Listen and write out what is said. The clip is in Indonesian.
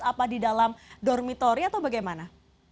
apa di dalam dormitori atau bagaimana